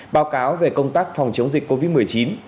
báo cáo về công tác phòng chống dịch covid một mươi chín